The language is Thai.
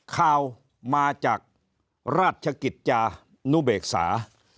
ข่าวมาจากราชกิจจานุเบกษา